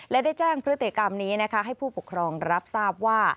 และได้แจ้งเพื่อเตะกรรมนี้ให้ผู้ปกครองรับทราบว่า